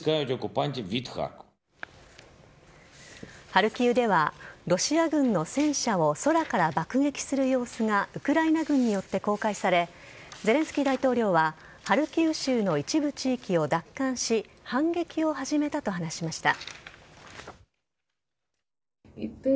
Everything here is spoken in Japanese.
ハルキウではロシア軍の戦車を空から爆撃する様子がウクライナ軍によって公開されゼレンスキー大統領はハルキウ州の一部地域を奪還し反撃を始めたと話しました。